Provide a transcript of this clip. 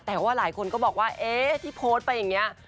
แต่ว่าหลายคนก็บอกว่าเอ๊ะที่โพสต์ไปอย่างนี้